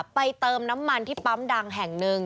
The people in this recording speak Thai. เติมน้ำมันที่ปั๊มดังแห่งหนึ่ง